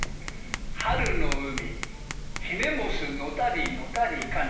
春の海ひねもすのたりのたりかな。